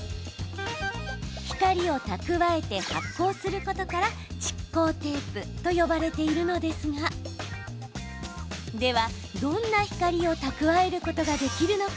光を蓄えて発光することから蓄光テープと呼ばれているのですがでは、どんな光を蓄えることができるのか